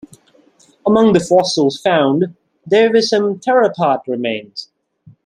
Among the fossils found there were some theropod remains.